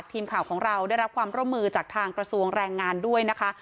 ทีมข่าวของเราได้รับความร่วมมือจากทางกระทรวงแรงงานด้วยนะคะ